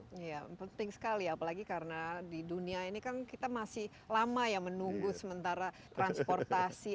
iya penting sekali apalagi karena di dunia ini kan kita masih lama ya menunggu sementara transportasi